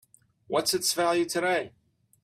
What's its value today?